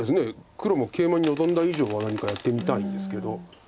黒もケイマに臨んだ以上は何かやってみたいんですけど。